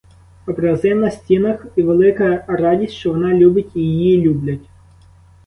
Образи на стінах і велика радість, що вона любить і її люблять.